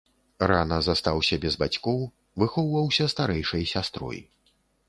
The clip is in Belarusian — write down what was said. Рана застаўся без бацькоў, выхоўваўся старэйшай сястрой.